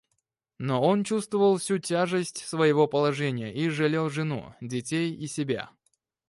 Но он чувствовал всю тяжесть своего положения и жалел жену, детей и себя.